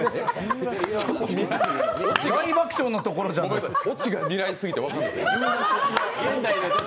大爆笑のところじゃないか。